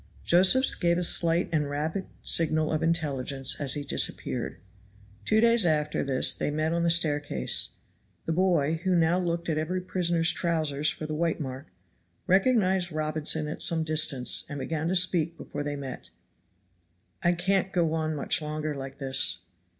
Josephs gave a slight and rapid signal of intelligence as he disappeared. Two days after this they met on the staircase. The boy, who now looked at every prisoner's trowsers for the white mark, recognized Robinson at some distance and began to speak before they met. "I can't go on much longer like this."